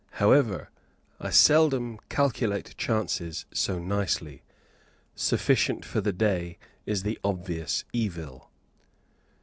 However, I seldom calculate chances so nicely sufficient for the day is the obvious evil!